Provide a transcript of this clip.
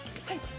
はい。